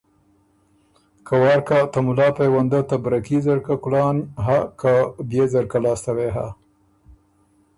که وار کَۀ، ته مُلا پېونده ته بره کي ځرکه کُلان هۀ که بيې ځرکۀ لاسته وې هۀ۔